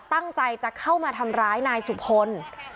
ตั้งใจจะเข้ามาทำร้ายนายสุพล